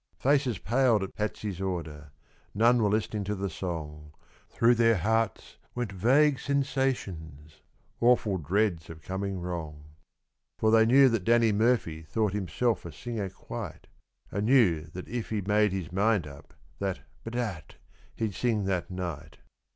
Faces paled at Patsy's order; none were listening to the song; Through their hearts went vague sensations awful dreads of coming wrong; For they knew that Danny Murphy thought himself a singer quite, And knew that if he made his mind up, that, bedad, he'd sing that night.